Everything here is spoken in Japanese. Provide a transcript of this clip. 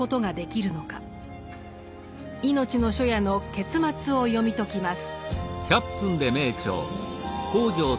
「いのちの初夜」の結末を読み解きます。